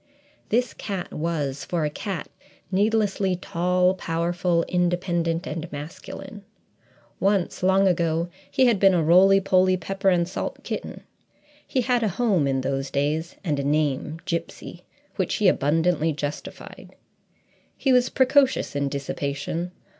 This cat was, for a cat, needlessly tall, powerful, independent, and masculine. Once, long ago, he had been a roly poly pepper and salt kitten; he had a home in those days, and a name, "Gipsy," which he abundantly justified. He was precocious in dissipation.